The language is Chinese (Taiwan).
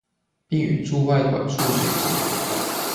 並與駐外館處聯繫